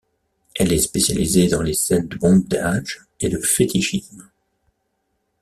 Elle est spécialisée dans les scènes de bondage et de fétichisme.